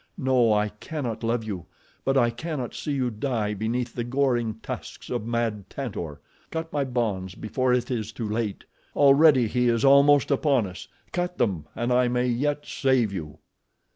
No, I cannot love you but I cannot see you die beneath the goring tusks of mad Tantor. Cut my bonds before it is too late. Already he is almost upon us. Cut them and I may yet save you."